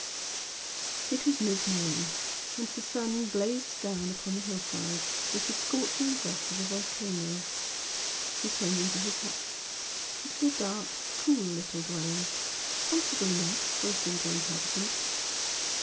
It was mid morning, and the sun blazed down upon the hill side with the scorching breath of a volcano. He turned into his hut, it was a dark, cool little dwelling, comfortable enough for a single inhabitant.